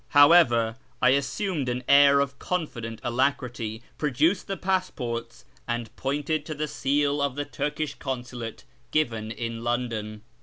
However, I as sumed an air of confident alacrity, produced the passports, and pointed to the seal of the Turkish Considate given in London.